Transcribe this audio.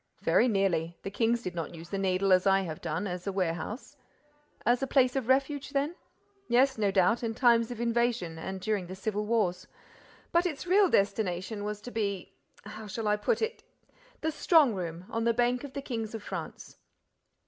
"Very nearly. The kings did not use the Needle, as I have done, as a warehouse." "As a place of refuge, then?" "Yes, no doubt, in times of invasion and during the civil wars. But its real destination was to be—how shall I put it?—the strong room or the bank of the kings of France."